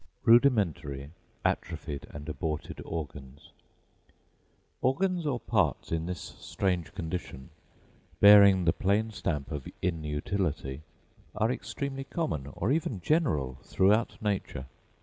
Rudimentary, Atrophied, and Aborted Organs. Organs or parts in this strange condition, bearing the plain stamp of inutility, are extremely common, or even general, throughout nature.